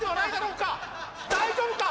大丈夫か？